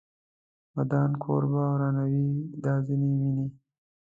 ودان کور به ورانوي دا ځینې مینې